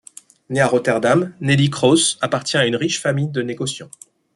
Née à Rotterdam, Neelie Kroes appartient à une riche famille de négociants.